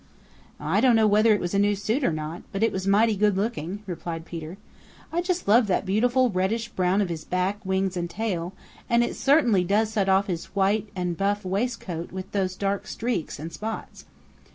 "I don't know whether it was a new suit or not, but it was mighty good looking," replied Peter. "I just love that beautiful reddish brown of his back, wings and tail, and it certainly does set off his white and buff waistcoat with those dark streaks and spots.